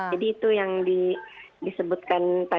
jadi itu yang disebutkan